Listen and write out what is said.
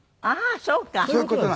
ああーそうか。